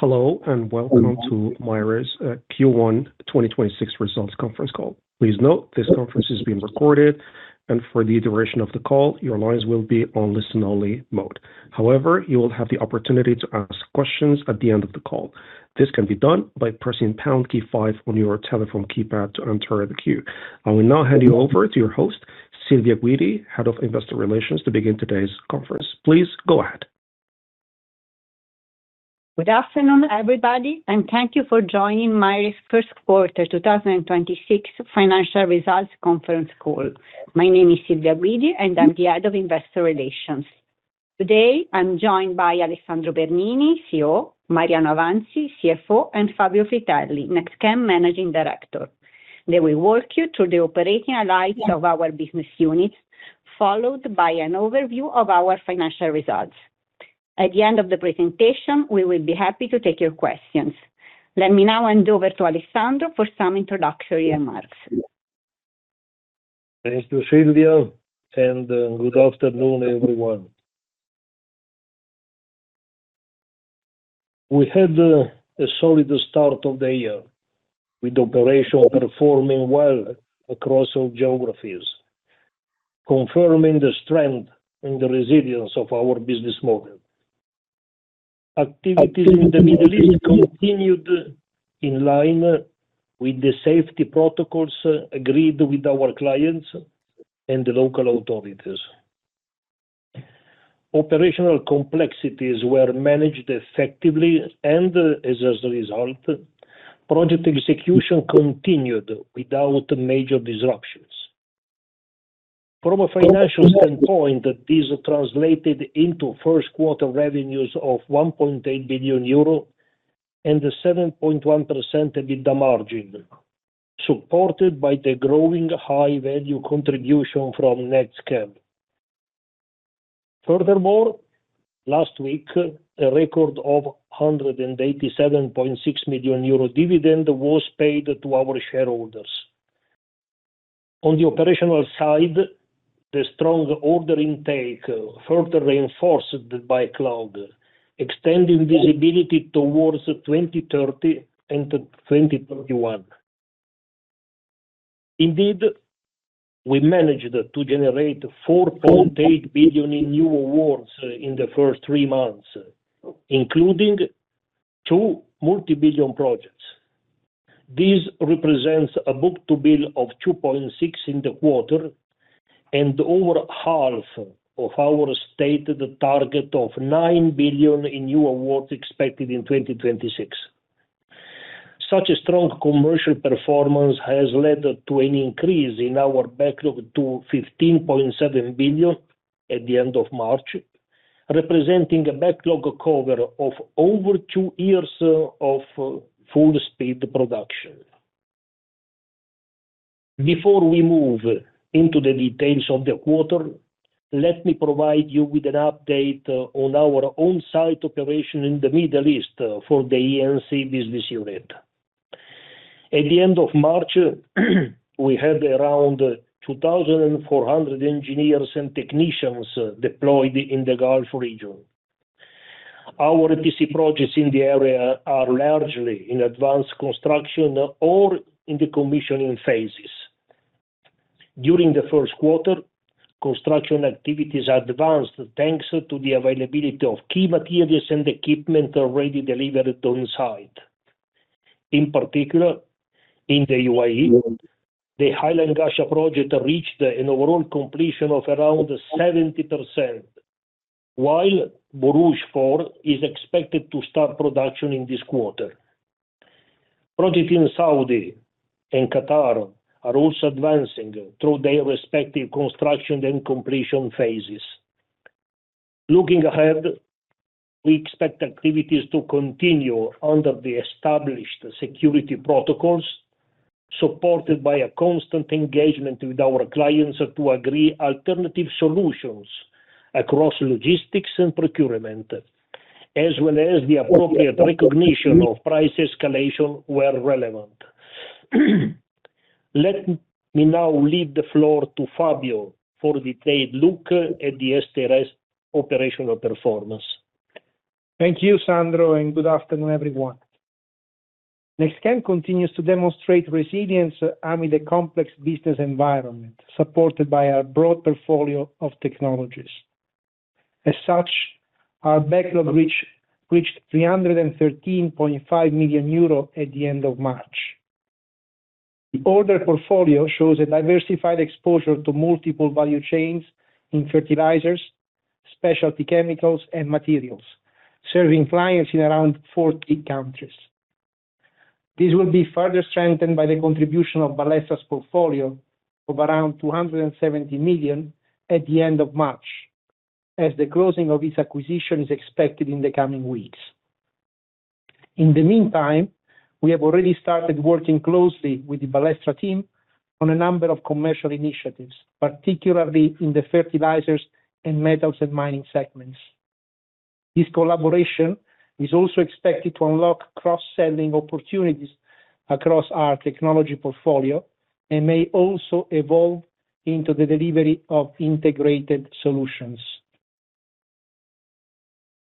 Hello, and welcome to Maire's Q1 2026 Results Conference Call. Please note, this conference is being recorded, and for the duration of the call, your lines will be on listen only mode. However, you will have the opportunity to ask questions at the end of the call. This can be done by pressing pound key five on your telephone keypad to enter the queue. I will now hand you over to your host, Silvia Guidi, Head of Investor Relations, to begin today's conference. Please go ahead. Good afternoon, everybody, and thank you for joining my First Quarter 2026 Financial Results Conference Call. My name is Silvia Guidi and I'm the Head of Investor Relations. Today, I'm joined by Alessandro Bernini, CEO, Mariano Avanzi, CFO, and Fabio Fritelli, NextChem Managing Director. They will walk you through the operating highlights of our business units, followed by an overview of our financial results. At the end of the presentation, we will be happy to take your questions. Let me now hand over to Alessandro for some introductory remarks. Thanks to Silvia, good afternoon, everyone. We had a solid start of the year, with operations performing well across all geographies, confirming the strength and the resilience of our business model. Activities in the Middle East continued in line with the safety protocols agreed with our clients and the local authorities. Operational complexities were managed effectively, as a result, project execution continued without major disruptions. From a financial standpoint, these translated into first quarter revenues of 1.8 billion euro and a 7.1% EBITDA margin, supported by the growing high value contribution from NextChem. Last week, a record of 187.6 million euro dividend was paid to our shareholders. On the operational side, the strong order intake further reinforced by cloud, extending visibility towards 2030 and 2031. Indeed, we managed to generate 4.8 billion in new awards in the first three months, including two multi-billion projects. This represents a book-to-bill of 2.6 in the quarter and over half of our stated target of 9 billion in new awards expected in 2026. Such a strong commercial performance has led to an increase in our backlog to 15.7 billion at the end of March, representing a backlog cover of over two years of full speed production. Before we move into the details of the quarter, let me provide you with an update on our on-site operation in the Middle East for the E&C business unit. At the end of March, we had around 2,400 engineers and technicians deployed in the Gulf region. Our EPC projects in the area are largely in advanced construction or in the commissioning phases. During the first quarter, construction activities advanced, thanks to the availability of key materials and equipment already delivered on-site. In particular, in the UAE, the Hail and Ghasha project reached an overall completion of around 70%, while Borouge 4 is expected to start production in this quarter. Projects in Saudi and Qatar are also advancing through their respective construction and completion phases. Looking ahead, we expect activities to continue under the established security protocols, supported by a constant engagement with our clients to agree alternative solutions across logistics and procurement, as well as the appropriate recognition of price escalation where relevant. Let me now leave the floor to Fabio for a detailed look at the STS operational performance. Thank you, Sandro, and good afternoon, everyone. NextChem continues to demonstrate resilience amid the complex business environment, supported by our broad portfolio of technologies. Our backlog reached 313.5 million euro at the end of March. The order portfolio shows a diversified exposure to multiple value chains in fertilizers, specialty chemicals and materials, serving clients in around 40 countries. This will be further strengthened by the contribution of Ballestra's portfolio of around 270 million at the end of March, as the closing of its acquisition is expected in the coming weeks. In the meantime, we have already started working closely with the Ballestra team on a number of commercial initiatives, particularly in the fertilizers and metals and mining segments. This collaboration is also expected to unlock cross-selling opportunities Across our technology portfolio and may also evolve into the delivery of integrated solutions.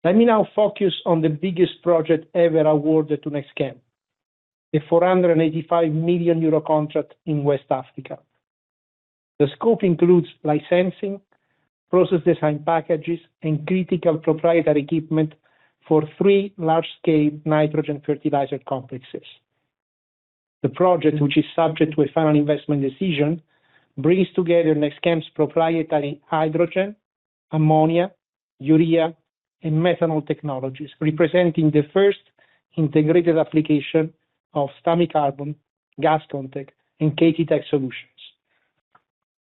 Let me now focus on the biggest project ever awarded to NextChem, a 485 million euro contract in West Africa. The scope includes licensing, process design packages, and critical proprietary equipment for three large scale nitrogen fertilizer complexes. The project, which is subject to a final investment decision, brings together NextChem's proprietary hydrogen, ammonia, urea, and methanol technologies, representing the first integrated application of Stamicarbon, GasConTec, and KT solutions.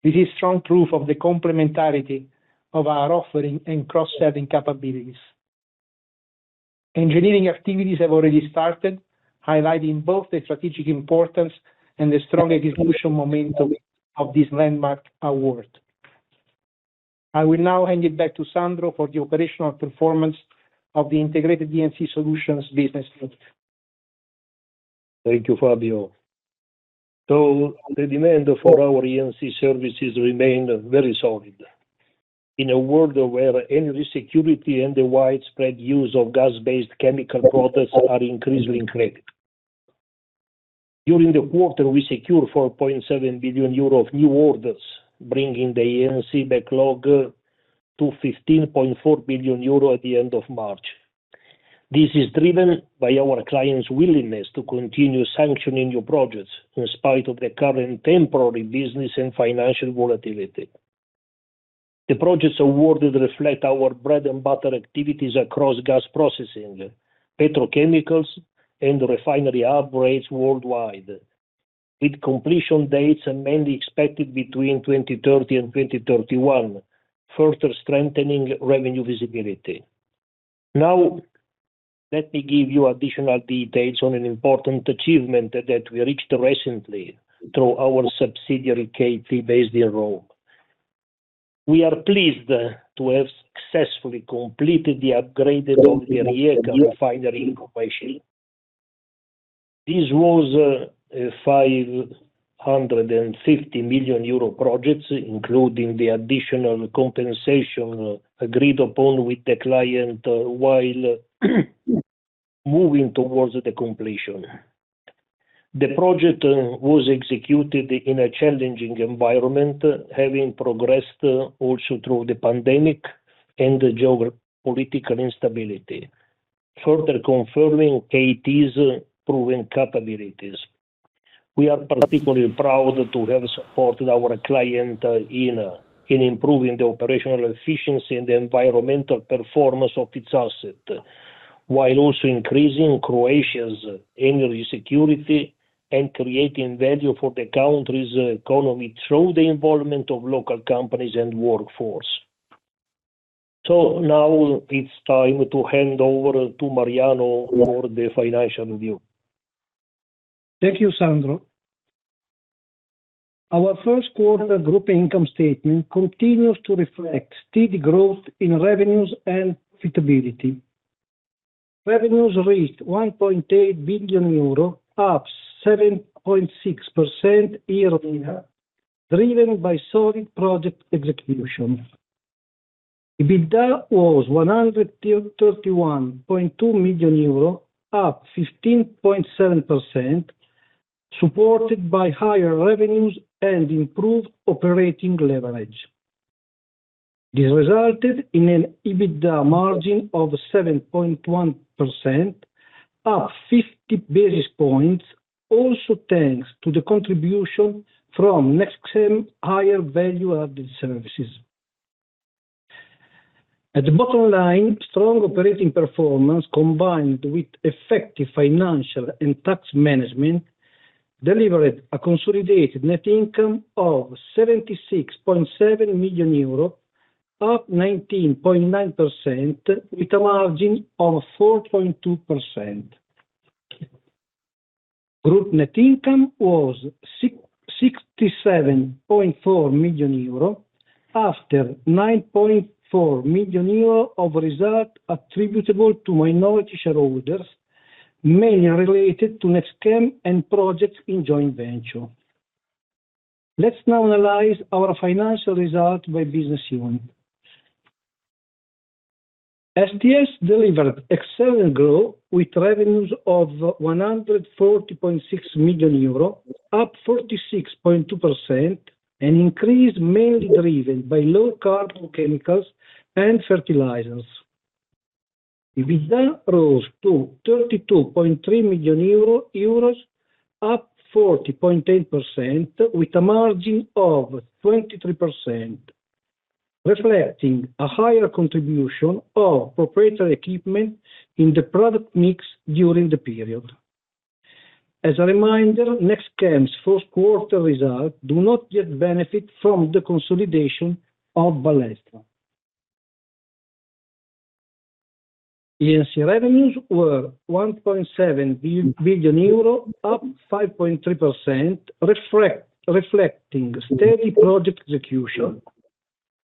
This is strong proof of the complementarity of our offering and cross-selling capabilities. Engineering activities have already started, highlighting both the strategic importance and the strong execution momentum of this landmark award. I will now hand it back to Sandro for the operational performance of the integrated E&C solutions business unit. Thank you, Fabio. The demand for our E&C services remained very solid. In a world where energy security and the widespread use of gas-based chemical products are increasingly critical. During the quarter, we secured 4.7 billion euros of new orders, bringing the E&C backlog to 15.4 billion euros at the end of March. This is driven by our clients' willingness to continue sanctioning new projects in spite of the current temporary business and financial volatility. The projects awarded reflect our bread and butter activities across gas processing, petrochemicals, and refinery upgrades worldwide, with completion dates mainly expected between 2030 and 2031, further strengthening revenue visibility. Let me give you additional details on an important achievement that we reached recently through our subsidiary, KT, based in Rome. We are pleased to have successfully completed the upgrade of the Rijeka refinery in Croatia. This was a 550 million euro project, including the additional compensation agreed upon with the client while moving towards the completion. The project was executed in a challenging environment, having progressed also through the pandemic and the geopolitical instability, further confirming KT's proven capabilities. We are particularly proud to have supported our client in improving the operational efficiency and the environmental performance of its asset, while also increasing Croatia's energy security and creating value for the country's economy through the involvement of local companies and workforce. Now it's time to hand over to Mariano for the financial view. Thank you, Sandro. Our first quarter group income statement continues to reflect steady growth in revenues and profitability. Revenues reached 1.8 billion euro, up 7.6% year-over-year, driven by solid project execution. EBITDA was 131.2 million euro, up 15.7%, supported by higher revenues and improved operating leverage. This resulted in an EBITDA margin of 7.1%, up 50 basis points, also thanks to the contribution from NextChem higher value added services. At the bottom line, strong operating performance combined with effective financial and tax management delivered a consolidated net income of 76.7 million euro, up 19.9% with a margin of 4.2%. Group net income was 67.4 million euro after 9.4 million euro of result attributable to minority shareholders, mainly related to NextChem and projects in joint venture. Let's now analyze our financial result by business unit. STS delivered excellent growth with revenues of 140.6 million euro, up 46.2%, an increase mainly driven by low carbon chemicals and fertilizers. EBITDA rose to 32.3 million euro, up 40.8% with a margin of 23%, reflecting a higher contribution of proprietary equipment in the product mix during the period. As a reminder, NextChem's first quarter results do not yet benefit from the consolidation of Ballestra. E&C revenues were 1.7 billion euro, up 5.3%, reflecting steady project execution.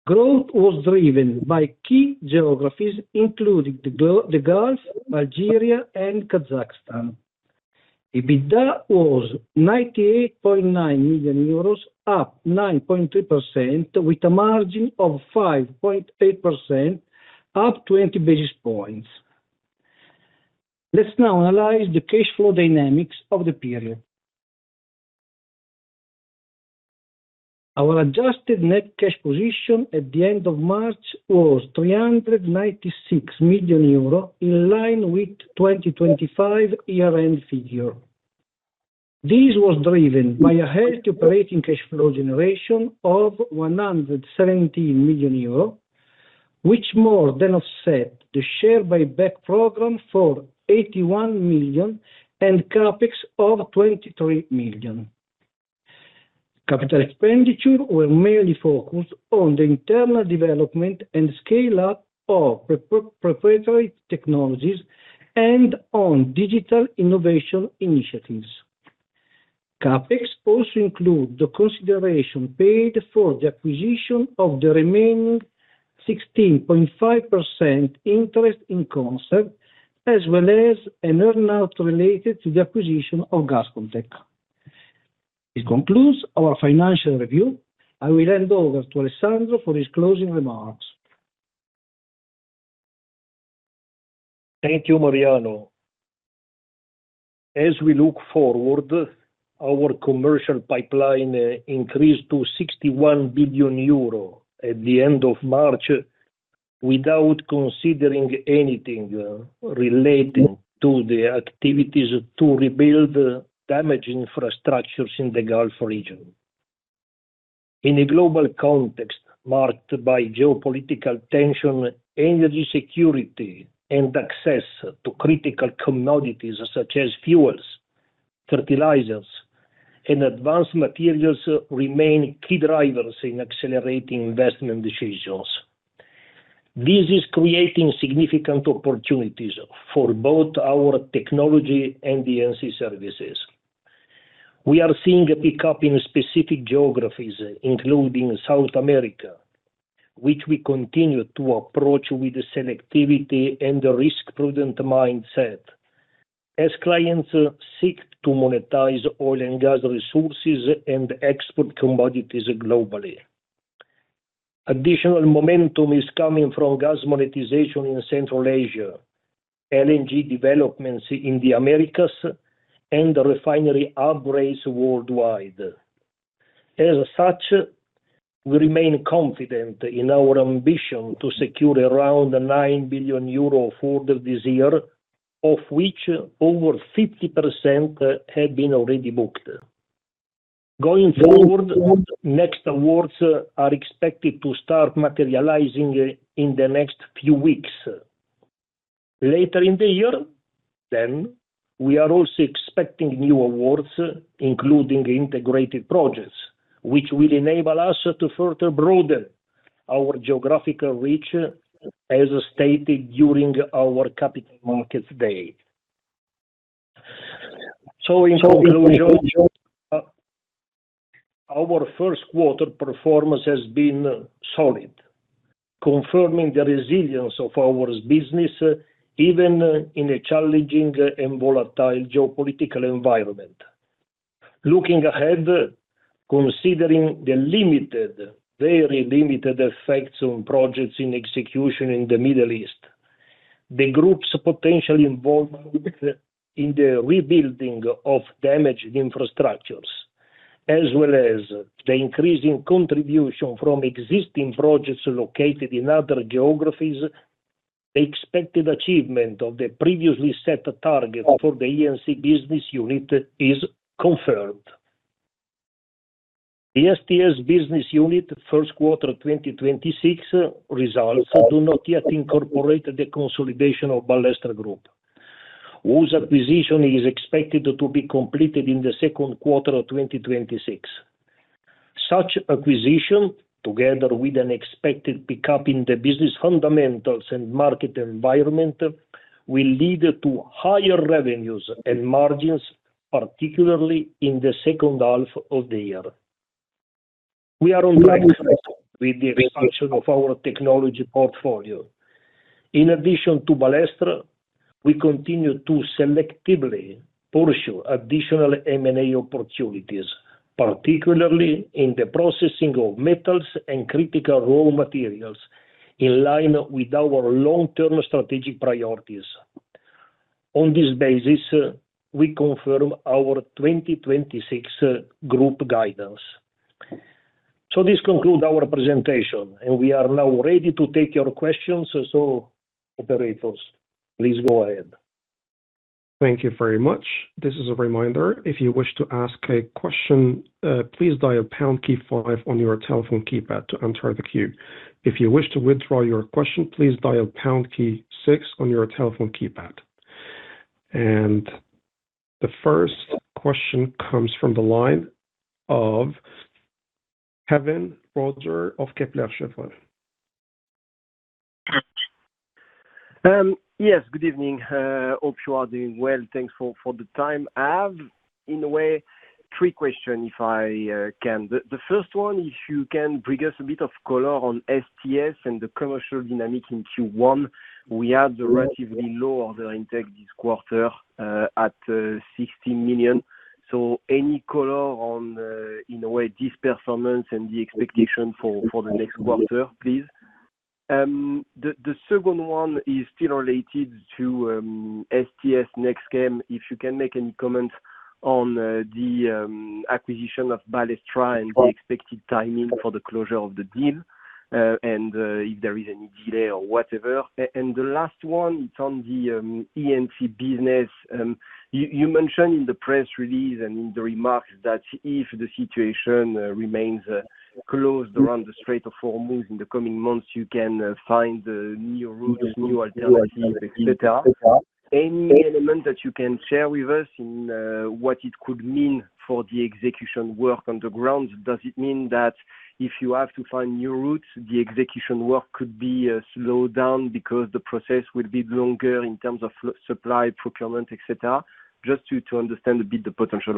Growth was driven by key geographies, including the Gulf, Algeria, and Kazakhstan. EBITDA was 98.9 million euros, up 9.3% with a margin of 5.8%, up 20 basis points. Let's now analyze the cash flow dynamics of the period. Our adjusted net cash position at the end of March was 396 million euro, in line with 2025 year-end figure. This was driven by a healthy operating cash flow generation of 117 million euro, which more than offset the share buyback program for 81 million and CapEx of 23 million. Capital expenditure were mainly focused on the internal development and scale up of proprietary technologies and on digital innovation initiatives. CapEx also include the consideration paid for the acquisition of the remaining 16.5% interest in Concert, as well as an earn-out related to the acquisition of GasConTec. This concludes our financial review. I will hand over to Alessandro for his closing remarks. Thank you, Mariano. As we look forward, our commercial pipeline increased to 61 billion euro at the end of March, without considering anything relating to the activities to rebuild damaged infrastructures in the Gulf region. In a global context marked by geopolitical tension, energy security and access to critical commodities such as fuels, fertilizers, and advanced materials remain key drivers in accelerating investment decisions. This is creating significant opportunities for both our technology and the energy services. We are seeing a pickup in specific geographies, including South America, which we continue to approach with selectivity and a risk-prudent mindset, as clients seek to monetize oil and gas resources and export commodities globally. Additional momentum is coming from gas monetization in Central Asia, LNG developments in the Americas, and refinery uprates worldwide. As such, we remain confident in our ambition to secure around 9 billion euros of order this year, of which over 50% have been already booked. Going forward, next awards are expected to start materializing in the next few weeks. Later in the year, then we are also expecting new awards, including integrated projects, which will enable us to further broaden our geographical reach, as stated during our Capital Markets Day. In conclusion, our first quarter performance has been solid, confirming the resilience of our business, even in a challenging and volatile geopolitical environment. Looking ahead, considering the limited, very limited effects on projects in execution in the Middle East, the group's potential involvement in the rebuilding of damaged infrastructures, as well as the increasing contribution from existing projects located in other geographies, the expected achievement of the previously set target for the E&C business unit is confirmed. The STS business unit first quarter 2026 results do not yet incorporate the consolidation of Ballestra Group, whose acquisition is expected to be completed in the second quarter of 2026. Such acquisition, together with an expected pickup in the business fundamentals and market environment, will lead to higher revenues and margins, particularly in the second half of the year. We are on track with the expansion of our technology portfolio. In addition to Ballestra, we continue to selectively pursue additional M&A opportunities, particularly in the processing of metals and critical raw materials in line with our long-term strategic priorities. On this basis, we confirm our 2026 group guidance. This concludes our presentation, and we are now ready to take your questions, operators, please go ahead. Thank you very much. This is a reminder, if you wish to ask a question, please dial pound key five on your telephone keypad to enter the queue. If you wish to withdraw your question, please dial pound key six on your telephone keypad. The first question comes from the line of Kévin Roger of Kepler Cheuvreux. Yes, good evening. Hope you are doing well. Thanks for the time. I have, in a way, three question if I can. The first one, if you can bring us a bit of color on STS and the commercial dynamic in Q1. We have the relatively low order intake this quarter, at 60 million. Any color on, in a way this performance and the expectation for the next quarter, please? The second one is still related to STS NextChem. If you can make any comments on the acquisition of Ballestra and the expected timing for the closure of the deal, and if there is any delay or whatever. The last one, it's on the E&C business. You mentioned in the press release and in the remarks that if the situation remains closed around the Strait of Hormuz in the coming months, you can find new routes, new alternatives, et cetera. Any element that you can share with us in what it could mean for the execution work on the ground? Does it mean that if you have to find new routes, the execution work could be slowed down because the process will be longer in terms of supply, procurement, et cetera? Just to understand a bit the potential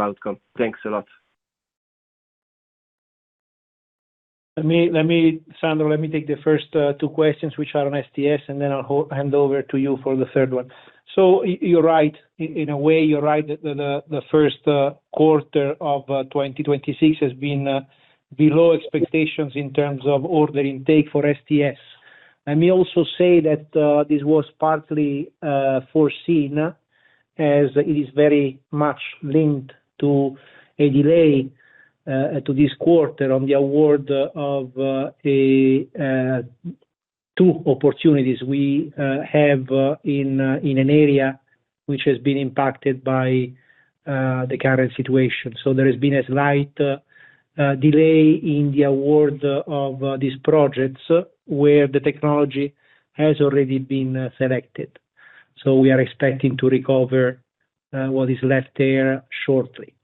outcome. Thanks a lot. Let me, Sandro, let me take the first two questions, which are on STS, and then I'll hand over to you for the third one. You're right. In a way, you're right. The first quarter of 2026 has been below expectations in terms of order intake for STS. Let me also say that this was partly foreseen as it is very much linked to a delay to this quarter on the award of two opportunities we have in an area which has been impacted by the current situation. There has been a slight delay in the award of these projects where the technology has already been selected. We are expecting to recover what is left there shortly.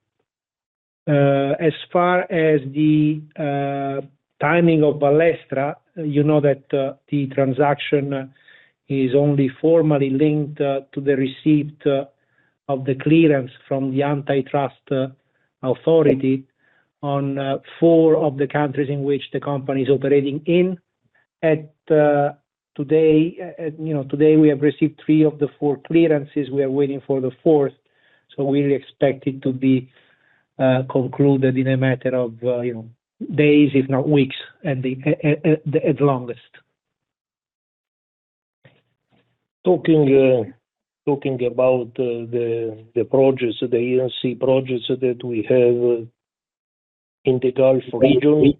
As far as the timing of Ballestra, you know that the transaction is only formally linked to the receipt of the clearance from the antitrust authority on four of the countries in which the company is operating in. Today, you know, today we have received three of the four clearances. We are waiting for the fourth, so we expect it to be concluded in a matter of, you know, days if not weeks at the longest. Talking about the projects, the E&C projects that we have in the Gulf region.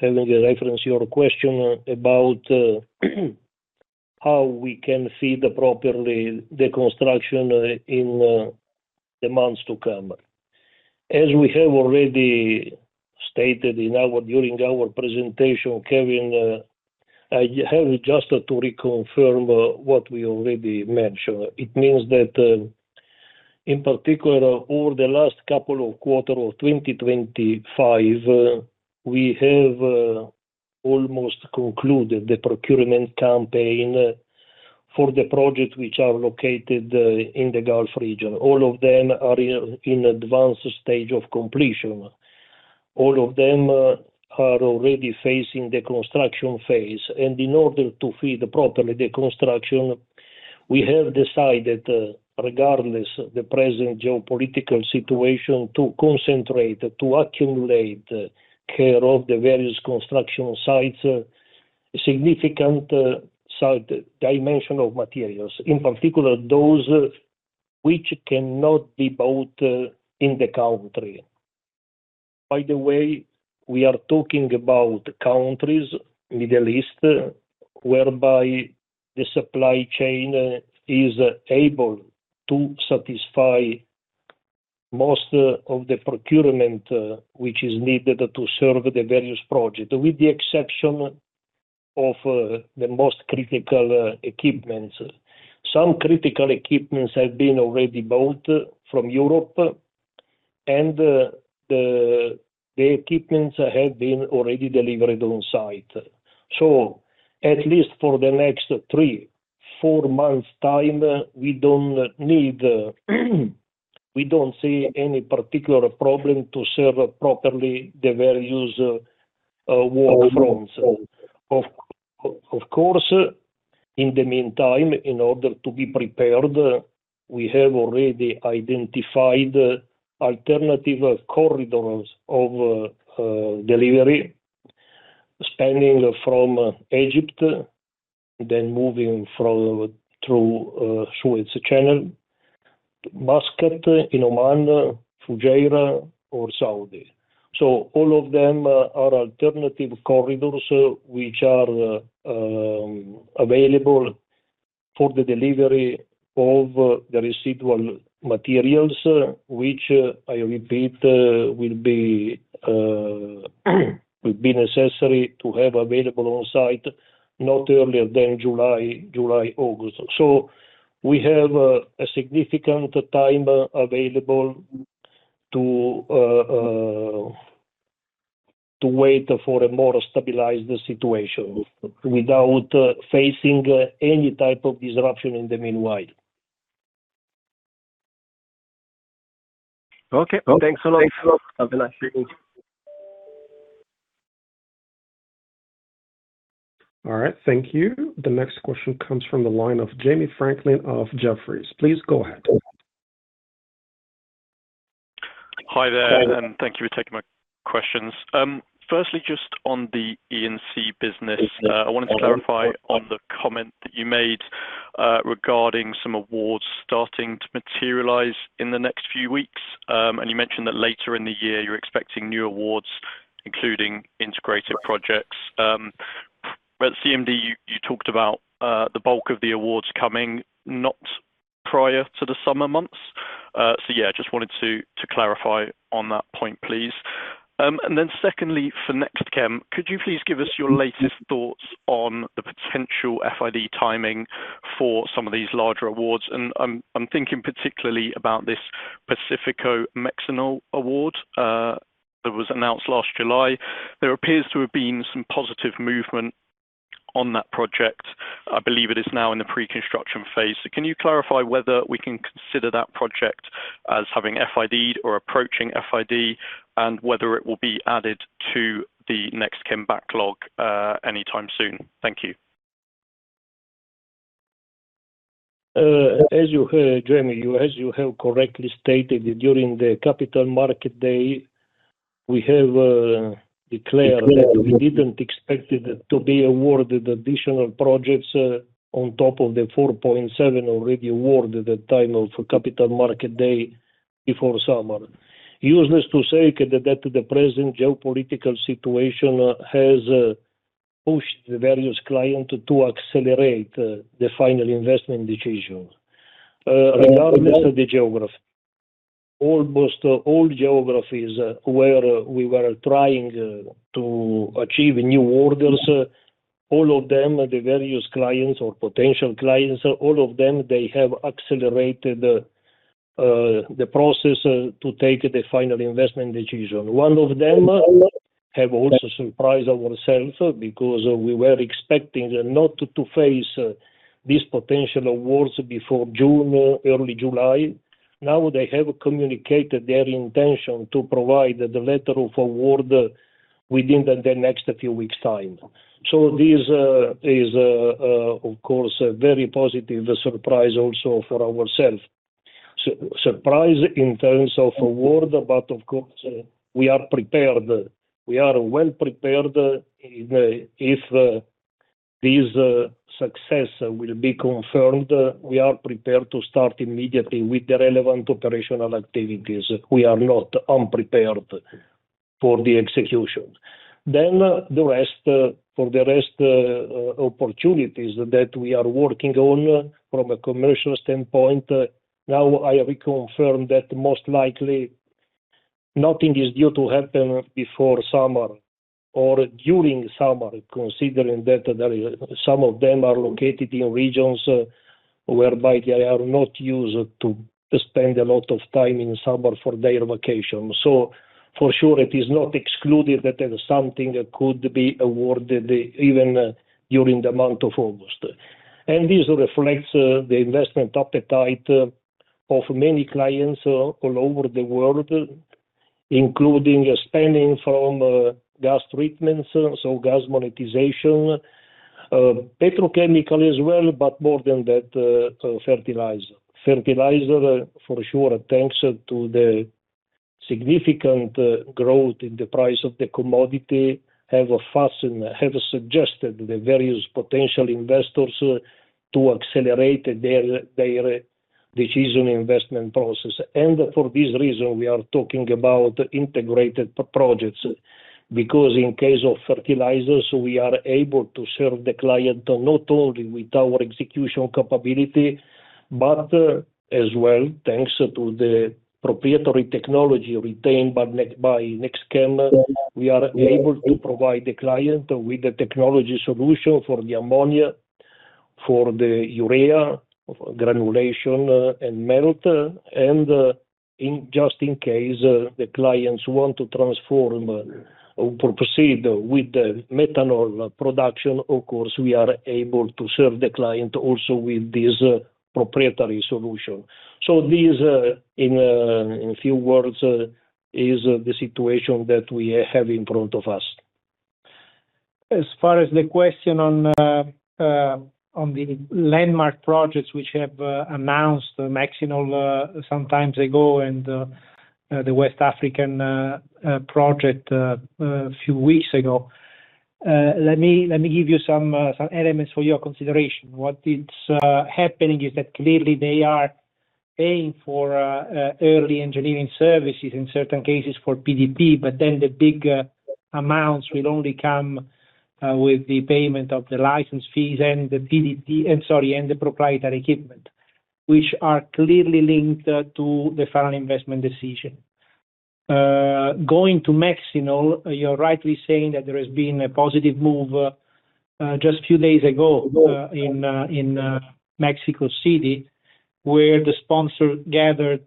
Having a reference to your question about how we can feed properly the construction in the months to come. As we have already stated in our, during our presentation, Kévin, I have just to reconfirm what we already mentioned. It means that, in particular, over the last couple of quarter of 2025, we have almost concluded the procurement campaign for the projects which are located in the Gulf region. All of them are in advanced stage of completion. All of them are already facing the construction phase. In order to feed properly the construction, we have decided, regardless of the present geopolitical situation, to concentrate, to accumulate care of the various construction sites, significant site dimension of materials, in particular, those which cannot be bought in the country. By the way, we are talking about countries, Middle East, whereby the supply chain is able to satisfy most of the procurement which is needed to serve the various project, with the exception of the most critical equipments. Some critical equipments have been already bought from Europe and the equipments have been already delivered on site. At least for the next three, four months time, we don't need, we don't see any particular problem to serve properly the various war fronts. Of course, in the meantime, in order to be prepared, we have already identified alternative corridors of delivery spanning from Egypt, then moving through Suez Canal, Muscat in Oman, Fujairah or Saudi. All of them are alternative corridors which are available for the delivery of the residual materials, which, I repeat, will be necessary to have available on site not earlier than July, August. We have a significant time available to wait for a more stabilized situation without facing any type of disruption in the meanwhile. Okay. Thanks a lot. Have a nice evening. All right, thank you. The next question comes from the line of Jamie Franklin of Jefferies. Please go ahead. Hi there. Hi there. Thank you for taking my questions. Firstly, just on the E&C business. Business. I wanted to clarify on the comment that you made regarding some awards starting to materialize in the next few weeks. You mentioned that later in the year you're expecting new awards, including integrated projects. CMD, you talked about the bulk of the awards coming not prior to the summer months. Yeah, just wanted to clarify on that point, please. Secondly, for NextChem, could you please give us your latest thoughts on the potential FID timing for some of these larger awards? I'm thinking particularly about this Pacifico Mexinol award that was announced last July. There appears to have been some positive movement on that project. I believe it is now in the pre-construction phase. Can you clarify whether we can consider that project as having FID or approaching FID, and whether it will be added to the NextChem backlog anytime soon? Thank you. As you hear, Jamie, as you have correctly stated, during the Capital Markets Day, we have declared that we didn't expect it to be awarded additional projects, on top of 4.7 already awarded at time of Capital Markets Day before summer. Needless to say that the present geopolitical situation has pushed the various client to accelerate the final investment decision, regardless of the geography. Almost all geographies where we were trying to achieve new orders, all of them, the various clients or potential clients, all of them, they have accelerated the process to take the final investment decision. One of them have also surprised ourselves because we were expecting not to face these potential awards before June, early July. Now they have communicated their intention to provide the letter of award within the next few weeks' time. This is, of course, a very positive surprise also for ourselves. Surprise in terms of award, of course, we are prepared. We are well prepared if this success will be confirmed, we are prepared to start immediately with the relevant operational activities. We are not unprepared for the execution. The rest, for the rest, opportunities that we are working on from a commercial standpoint, now I reconfirm that most likely nothing is due to happen before summer or during summer, considering that there is, some of them are located in regions whereby they are not used to spend a lot of time in summer for their vacation. For sure, it is not excluded that there is something that could be awarded even during the month of August. This reflects the investment appetite of many clients all over the world, including spending from gas treatment, so gas monetization, petrochemical as well, but more than that, fertilizer. Fertilizer, for sure, thanks to the significant growth in the price of the commodity, have suggested the various potential investors to accelerate their decision investment process. For this reason, we are talking about integrated projects, because in case of fertilizers, we are able to serve the client not only with our execution capability, but as well, thanks to the proprietary technology retained by NextChem, we are able to provide the client with the technology solution for the ammonia, for the urea, for granulation and melt. In, just in case, the clients want to transform or proceed with the methanol production, of course, we are able to serve the client also with this proprietary solution. This, in a few words, is the situation that we have in front of us. As far as the question on the landmark projects which have announced Mexinol some time ago and the West African project a few weeks ago, let me give you some elements for your consideration. What is happening is that clearly they are paying for early engineering services, in certain cases for PDP, but then the big amounts will only come with the payment of the license fees and the PDP, I'm sorry, and the proprietary equipment, which are clearly linked to the final investment decision. Going to Mexinol, you're rightly saying that there has been a positive move just few days ago in Mexico City, where the sponsor gathered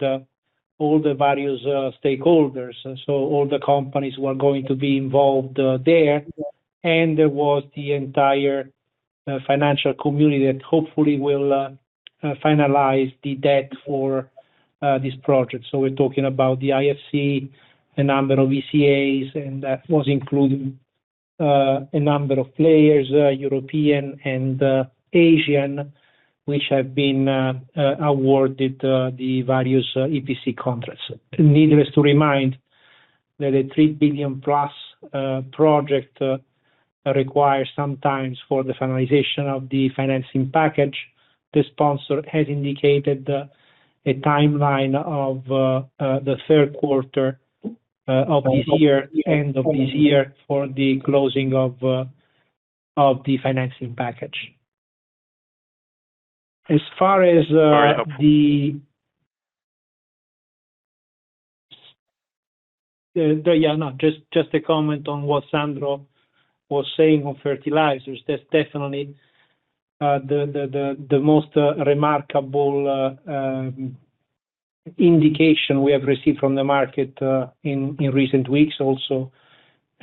all the various stakeholders. All the companies were going to be involved there. There was the entire financial community that hopefully will finalize the debt for this project. We're talking about the IFC, a number of ECAs, and that was including a number of players, European and Asian, which have been awarded the various EPC contracts. Needless to remind that a 3 billion plus project requires some time for the finalization of the financing package. The sponsor has indicated a timeline of the 3rd quarter of this year, end of this year, for the closing of the financing package. Just a comment on what Sandro was saying on fertilizers. That's definitely the most remarkable indication we have received from the market in recent weeks also.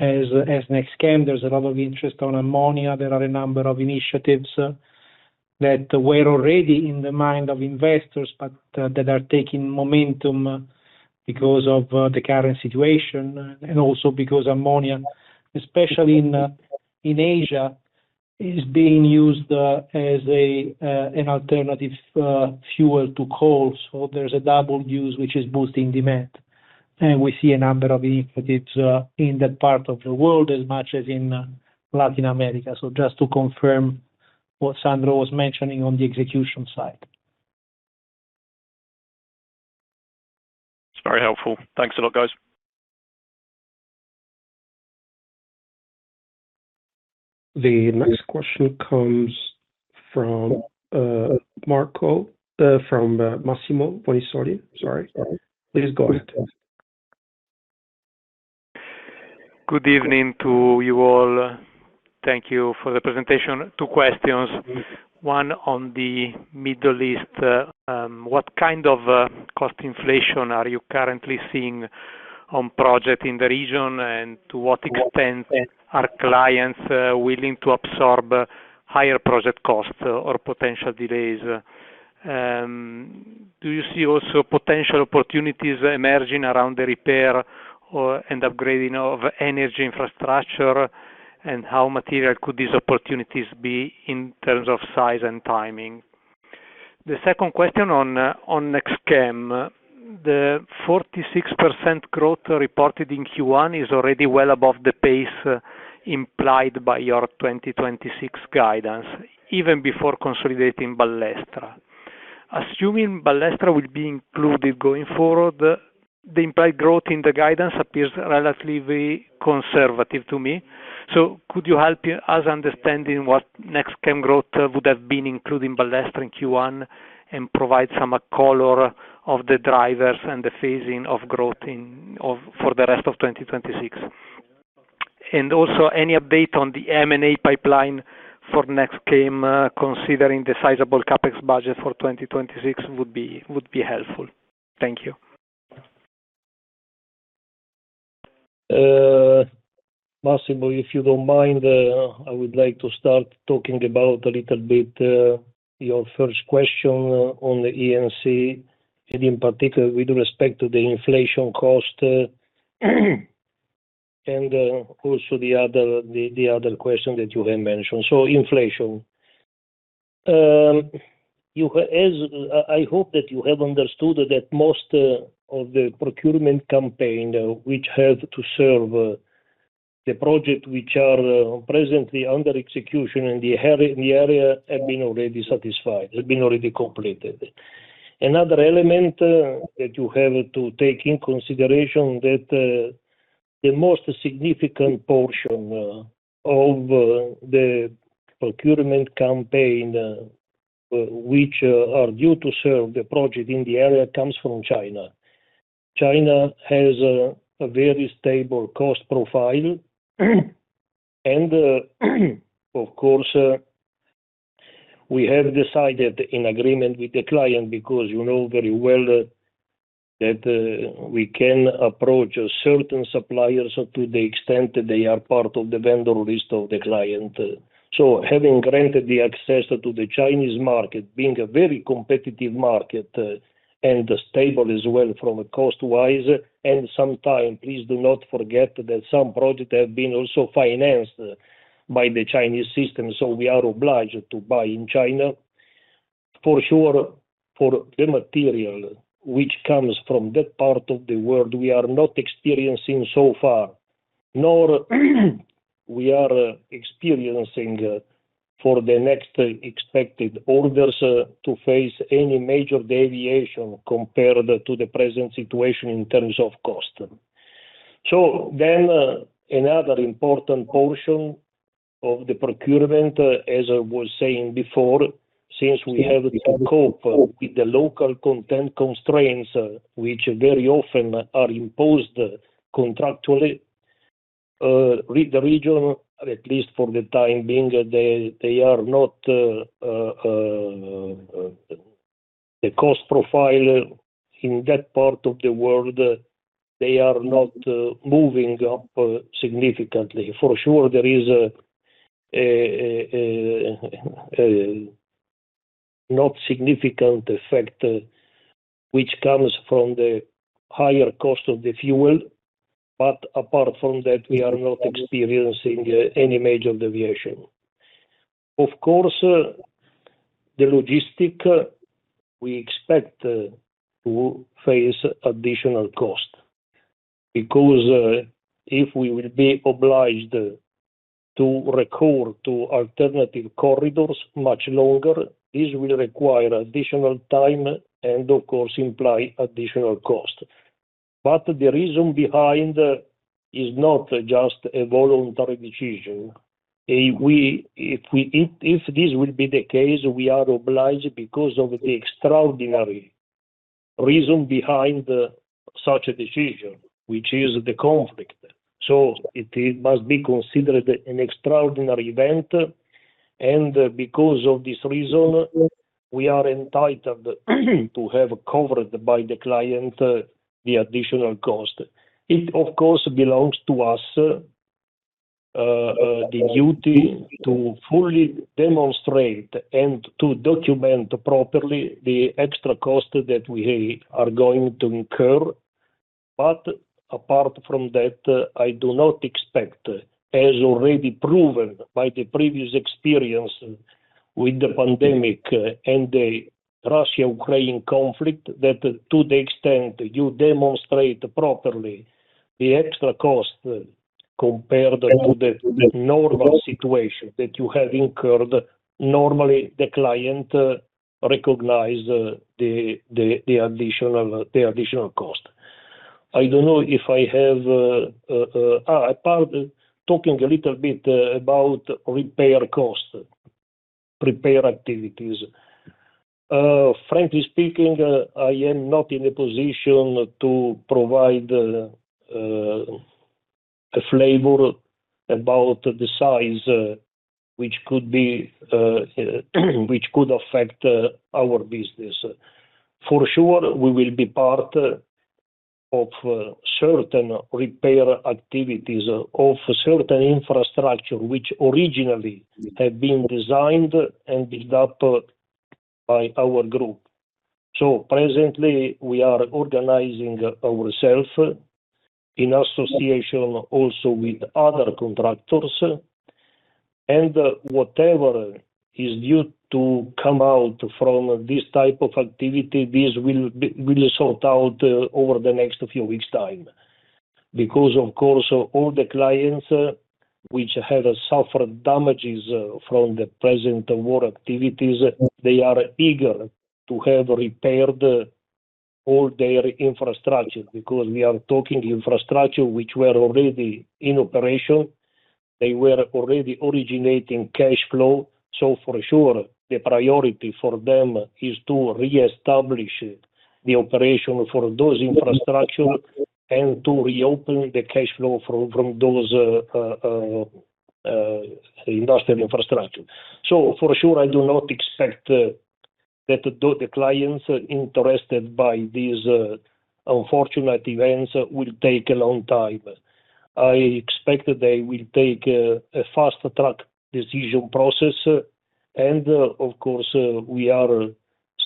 NextChem, there's a lot of interest on ammonia. There are a number of initiatives that were already in the mind of investors, but, that are taking momentum because of, the current situation, and also because ammonia, especially in Asia, is being used, as a, an alternative, fuel to coal. There is a double use which is boosting demand. We see a number of initiatives, in that part of the world as much as in, Latin America. Just to confirm what Sandro was mentioning on the execution side. It's very helpful. Thanks a lot, guys. The next question comes from Massimo Bonisoli. Sorry. Please go ahead. Good evening to you all. Thank you for the presentation. Two questions. One on the Middle East. What kind of cost inflation are you currently seeing on project in the region? To what extent are clients willing to absorb higher project costs or potential delays? Do you see also potential opportunities emerging around the repair and upgrading of energy infrastructure? How material could these opportunities be in terms of size and timing? The second question on NextChem. The 46% growth reported in Q1 is already well above the pace implied by your 2026 guidance, even before consolidating Ballestra. Assuming Ballestra will be included going forward, the implied growth in the guidance appears relatively conservative to me. Could you help us understanding what NextChem growth would have been including Ballestra in Q1, and provide some color of the drivers and the phasing of growth for the rest of 2026? Also, any update on the M&A pipeline for NextChem, considering the sizable CapEx budget for 2026 would be helpful. Thank you. Massimo, if you don't mind, I would like to start talking about a little bit your first question on the E&C, in particular, with respect to the inflation cost, also the other question that you have mentioned. Inflation. You have I hope that you have understood that most of the procurement campaign which had to serve the project which are presently under execution in the area have been already satisfied, have been already completed. Another element that you have to take in consideration that the most significant portion of the procurement campaign which are due to serve the project in the area comes from China. China has a very stable cost profile. Of course, we have decided in agreement with the client, because you know very well that we can approach certain suppliers to the extent that they are part of the vendor list of the client. Having granted the access to the Chinese market, being a very competitive market, and stable as well from a cost-wise, and sometimes, please do not forget that some project have been also financed by the Chinese system, so we are obliged to buy in China. For sure, for the material which comes from that part of the world, we are not experiencing so far, nor we are experiencing for the next expected orders to face any major deviation compared to the present situation in terms of cost. Another important portion of the procurement, as I was saying before. Since we have to cope with the local content constraints, which very often are imposed contractually with the region, at least for the time being, they are not, the cost profile in that part of the world, they are not moving significantly. For sure there is a not significant effect which comes from the higher cost of the fuel. Apart from that, we are not experiencing any major deviation. Of course, the logistic, we expect to face additional cost because if we will be obliged to recur to alternative corridors much longer, this will require additional time and of course imply additional cost. The reason behind is not just a voluntary decision. If we, if this will be the case, we are obliged because of the extraordinary reason behind such a decision, which is the conflict. It must be considered an extraordinary event, and because of this reason, we are entitled to have covered by the client, the additional cost. It of course belongs to us, the duty to fully demonstrate and to document properly the extra cost that we are going to incur. Apart from that, I do not expect, as already proven by the previous experience with the pandemic, and the Russia-Ukraine conflict, that to the extent you demonstrate properly the extra cost, compared to the normal situation that you have incurred, normally the client recognize the additional cost. I don't know if I have. Apart talking a little bit about repair costs, repair activities. Frankly speaking, I am not in a position to provide a flavor about the size which could be, which could affect our business. For sure we will be part of certain repair activities of certain infrastructure which originally have been designed and built up by our group. Presently we are organizing ourself in association also with other contractors, and whatever is due to come out from this type of activity, this will sort out over the next few weeks' time. Of course all the clients which have suffered damages from the present war activities, they are eager to have repaired all their infrastructure, because we are talking infrastructure which were already in operation. They were already originating cash flow. For sure the priority for them is to reestablish the operation for those infrastructure and to reopen the cash flow from those industrial infrastructure. For sure, I do not expect that the clients interested by these unfortunate events will take a long time. I expect that they will take a fast-track decision process, and of course, we are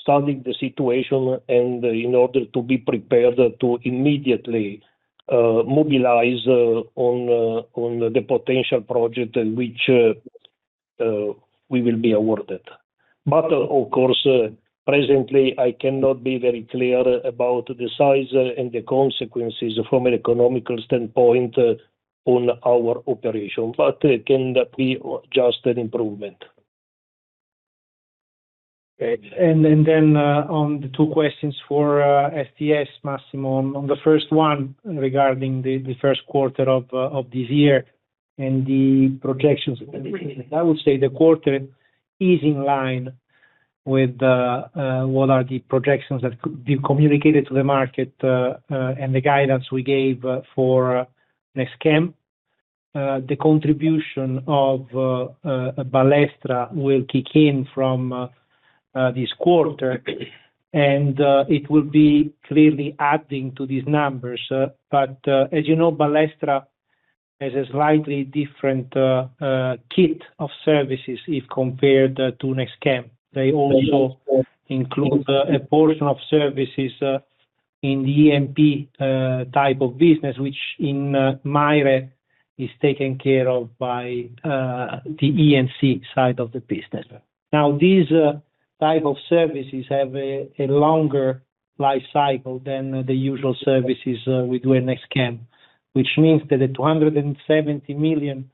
studying the situation and in order to be prepared to immediately mobilize on the potential project in which we will be awarded. Of course, presently I cannot be very clear about the size and the consequences from economic standpoint on our operation. It can be just an improvement. Okay. Then, on the two questions for STS, Massimo. On the first one regarding the first quarter of this year and the projections. I would say the quarter is in line with what are the projections that being communicated to the market and the guidance we gave for NextChem. The contribution of Ballestra will kick in from this quarter and it will be clearly adding to these numbers. But, as you know, Ballestra has a slightly different kit of services if compared to NextChem. They also include a portion of services in the EPC type of business, which in Maire is taken care of by the E&C side of the business. These type of services have a longer life cycle than the usual services we do in NextChem, which means that the 270 million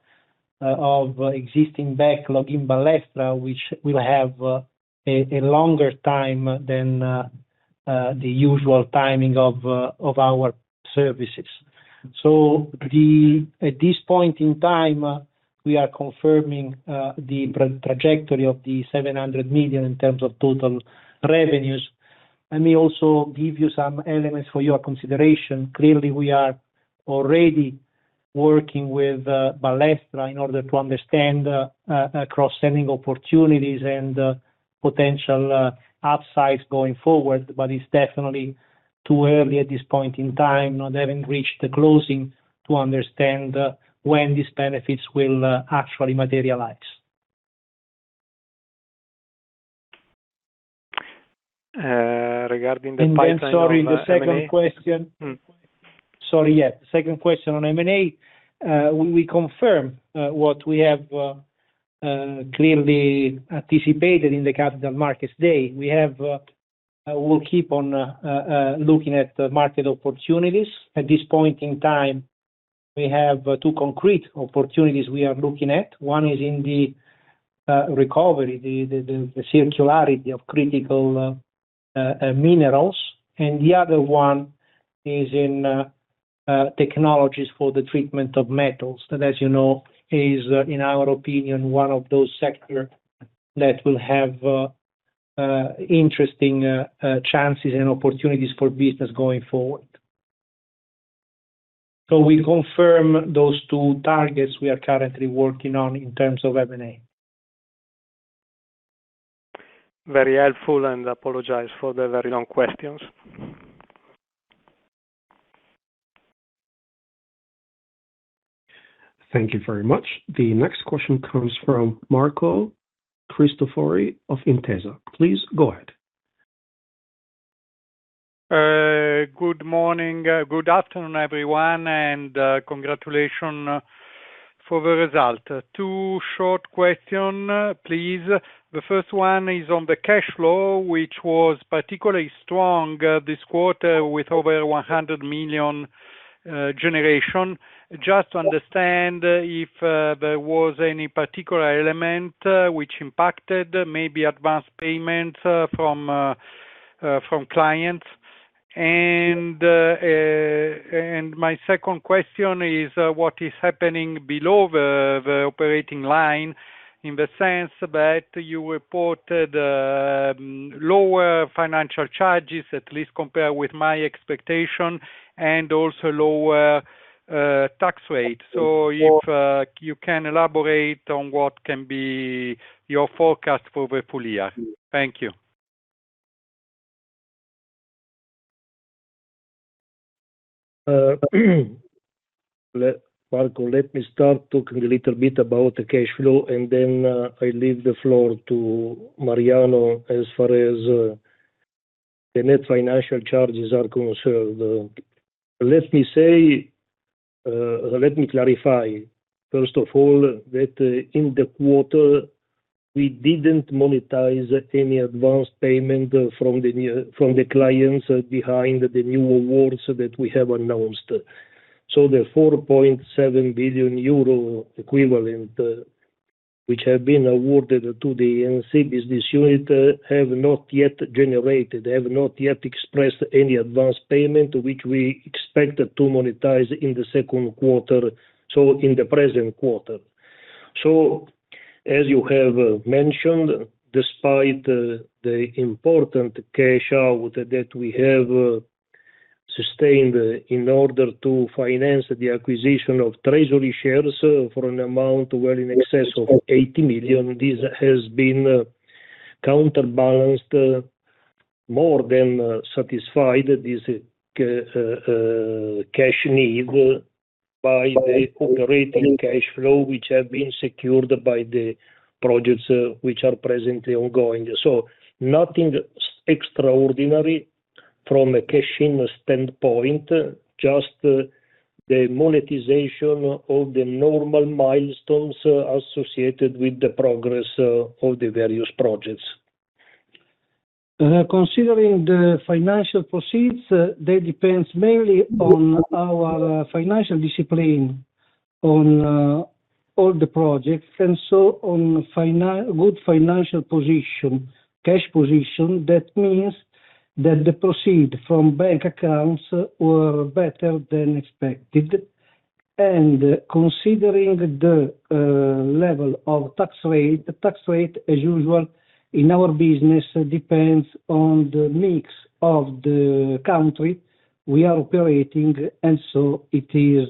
of existing backlog in Ballestra, which will have a longer time than the usual timing of our services. At this point in time, we are confirming the trajectory of 700 million in terms of total revenues. Let me also give you some elements for your consideration. Clearly, we are already working with Ballestra in order to understand cross-selling opportunities and potential upsides going forward. It's definitely too early at this point in time, not having reached the closing, to understand when these benefits will actually materialize. Regarding the pipeline on M&A. Sorry, the second question. Mm. Sorry, yeah. Second question on M&A. We confirm what we have clearly anticipated in the Capital Markets Day. We will keep on looking at the market opportunities. At this point in time, we have two concrete opportunities we are looking at. One is in the recovery, the circularity of critical minerals. The other one is in technologies for the treatment of metals. That, as you know, is, in our opinion, one of those sectors that will have interesting chances and opportunities for business going forward. We confirm those two targets we are currently working on in terms of M&A. Very helpful, and apologize for the very long questions. Thank you very much. The next question comes from Marco Cristofori of Intesa. Please go ahead. Good morning, good afternoon, everyone, and congratulations for the result. Two short questions, please. The first one is on the cash flow, which was particularly strong this quarter with over 100 million generation. Just to understand if there was any particular element which impacted, maybe advanced payment from clients. My second question is what is happening below the operating line, in the sense that you reported lower financial charges, at least compared with my expectation, and also lower tax rate. If you can elaborate on what can be your forecast for the full year. Thank you. Marco, let me start talking a little bit about the cash flow, I leave the floor to Mariano as far as the net financial charges are concerned. Let me say, let me clarify, first of all, that in the quarter, we didn't monetize any advanced payment from the clients behind the new awards that we have announced. The 4.7 billion euro equivalent, which have been awarded to the NC business unit, have not yet generated, have not yet expressed any advanced payment, which we expect to monetize in the second quarter, in the present quarter. As you have mentioned, despite the important cash out that we have sustained in order to finance the acquisition of treasury shares for an amount well in excess of 80 million, this has been counterbalanced, more than satisfied this cash need by the operating cash flow, which have been secured by the projects which are presently ongoing. Nothing extraordinary from a cash in standpoint, just the monetization of the normal milestones associated with the progress of the various projects. Considering the financial proceeds, that depends mainly on our financial discipline on all the projects, and so on good financial position, cash position. That means that the proceed from bank accounts were better than expected. Considering the level of tax rate, tax rate, as usual in our business, depends on the mix of the country we are operating, so it is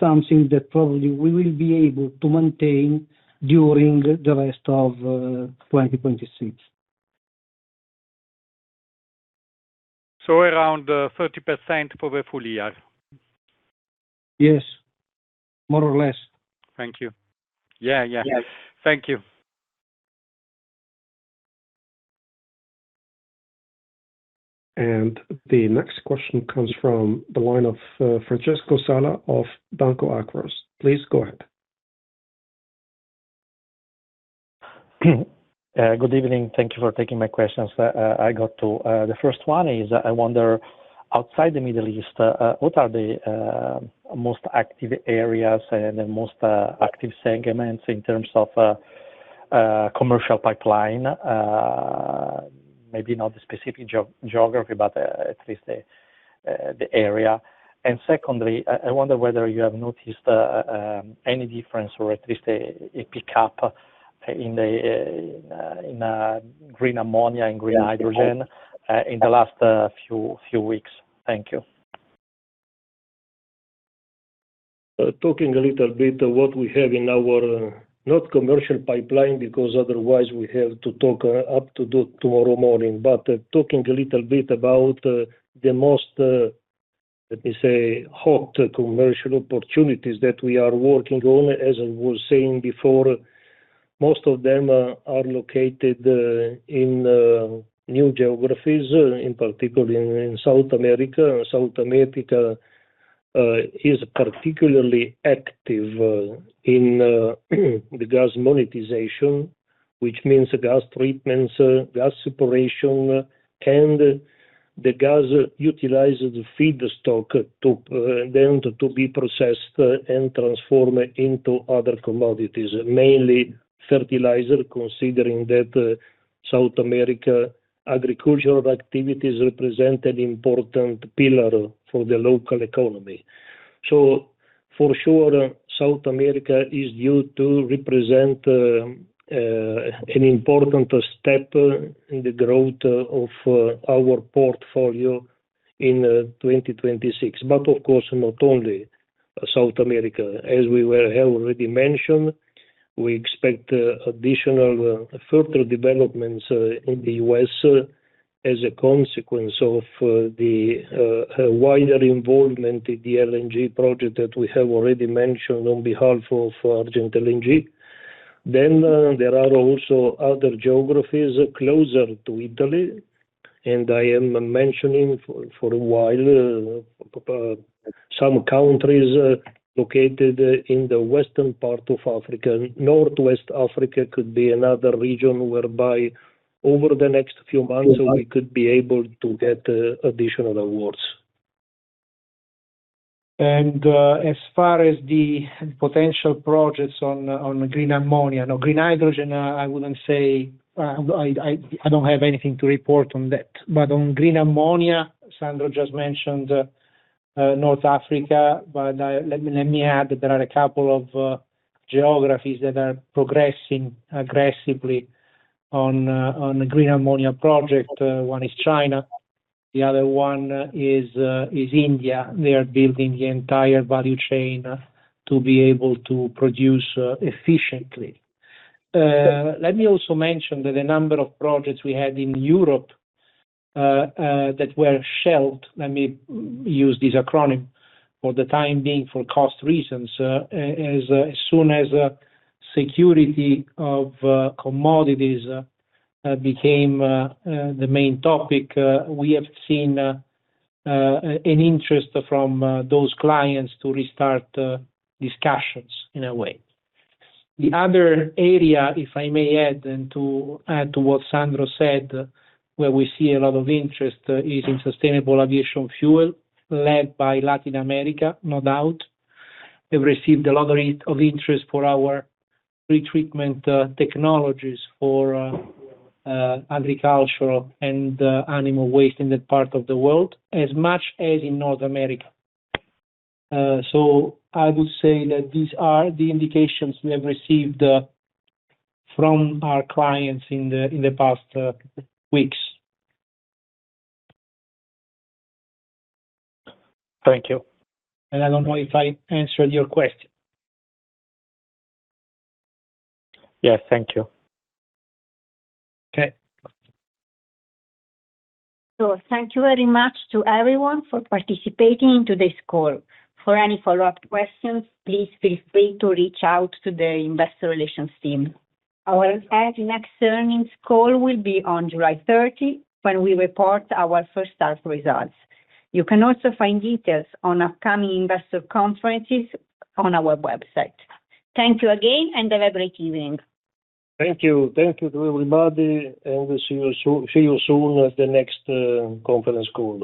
something that probably we will be able to maintain during the rest of 2026. Around 30% for the full year? Yes. More or less. Thank you. Yeah, yeah. Yes. Thank you. The next question comes from the line of Francesco Sala of Banca Akros. Please go ahead. Good evening. Thank you for taking my questions. I got two. The first one is I wonder, outside the Middle East, what are the most active areas and the most active segments in terms of commercial pipeline, maybe not the specific geo-geography, but at least the area. Secondly, I wonder whether you have noticed any difference or at least a pickup in the green ammonia and green hydrogen? Yeah In the last few weeks. Thank you. Talking a little bit of what we have in our, not commercial pipeline because otherwise we have to talk up to do tomorrow morning. Talking a little bit about the most, let me say, hot commercial opportunities that we are working on. As I was saying before, most of them are located in new geographies, in particular in South America. South America is particularly active in the gas monetization, which means gas treatment, gas separation, and the gas utilizes the feedstock to then be processed and transformed into other commodities, mainly fertilizer, considering that South America agricultural activities represent an important pillar for the local economy. For sure, South America is due to represent an important step in the growth of our portfolio in 2026. Of course, not only South America. As we have already mentioned, we expect additional further developments in the U.S. as a consequence of the wider involvement in the LNG project that we have already mentioned on behalf of Argent LNG. There are also other geographies closer to Italy, and I am mentioning for a while some countries located in the western part of Africa. Northwest Africa could be another region whereby over the next few months- So I- We could be able to get additional awards. As far as the potential projects on green ammonia. No, green hydrogen, I wouldn't say I don't have anything to report on that. On green ammonia, Sandro just mentioned North Africa, let me add that there are a couple of geographies that are progressing aggressively on the green ammonia project. One is China, the other one is India. They are building the entire value chain to be able to produce efficiently. Let me also mention that the number of projects we had in Europe that were shelved, let me use this acronym, for the time being for cost reasons, as soon as security of commodities became the main topic, we have seen an interest from those clients to restart discussions in a way. The other area, if I may add, and to add to what Sandro said, where we see a lot of interest is in sustainable aviation fuel led by Latin America, no doubt. We've received a lot of interest for our pre-treatment technologies for agricultural and animal waste in that part of the world as much as in North America. I would say that these are the indications we have received, from our clients in the past weeks. Thank you. I don't know if I answered your question. Yes. Thank you. Okay. Thank you very much to everyone for participating in today's call. For any follow-up questions, please feel free to reach out to the Investor Relations team. Our next earnings call will be on July 30, when we report our first half results. You can also find details on upcoming investor conferences on our website. Thank you again, and have a great evening. Thank you. Thank you to everybody, and we'll see you soon at the next conference call.